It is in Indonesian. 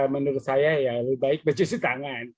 menurut saya ya lebih baik mencuci tangan